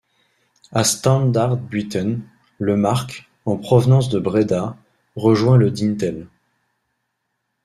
À Standdaarbuiten, le Mark, en provenance de Bréda, rejoint le Dintel.